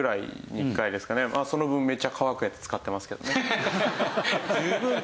その分めっちゃ乾くやつ使ってますけどね。